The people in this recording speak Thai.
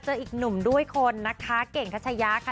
อีกหนุ่มด้วยคนนะคะเก่งทัชยาค่ะ